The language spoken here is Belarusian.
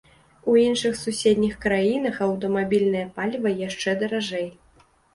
У іншых суседніх краінах аўтамабільнае паліва яшчэ даражэй.